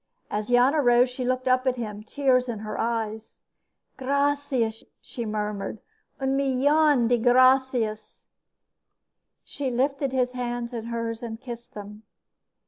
As Jan arose, she looked up at him, tears in her eyes. "Gracias," she murmured. "Un millón de gracias." She lifted his hands in hers and kissed them.